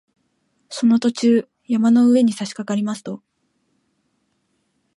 その途中、山の上にさしかかりますと